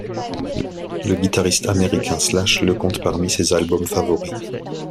Le guitariste américain, Slash, le compte parmi ses albums favoris.